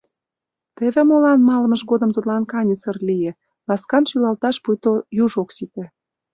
Теве молан малымыж годым тудлан каньысыр лие, ласкан шӱлалташ пуйто юж ок сите.